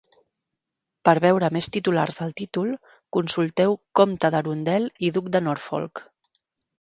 Per veure més titulars del títol, consulteu comte d'Arundel i duc de Norfolk.